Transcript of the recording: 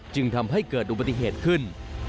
จึงทำให้เกิดอุบัติเหตุขึ้น